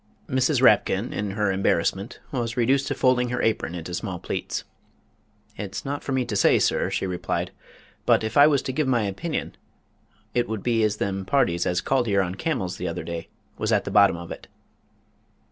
Mrs. Rapkin in her embarrassment was reduced to folding her apron into small pleats. "It's not for me to say, sir," she replied, "but, if I was to give my opinion, it would be as them parties as called 'ere on camels the other day was at the bottom of it."